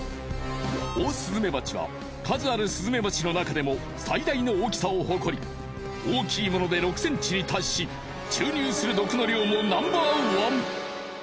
オオスズメバチは数あるスズメバチの中でも最大の大きさを誇り大きいもので６ｃｍに達し注入する毒の量もナンバーワン。